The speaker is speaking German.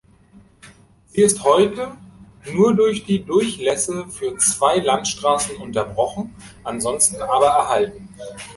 Sie ist heute nur durch die Durchlässe für zwei Landstraßen unterbrochen, ansonsten aber erhalten.